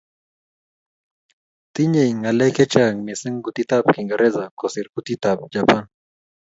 Tinyei ngalek chechang missing kutitab kingereza kosir kutitab japan